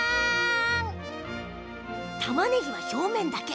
たまねぎは、表面だけ。